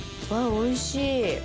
おいしい